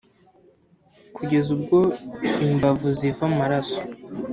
kugeza ubwo imbavu ziva amaraso.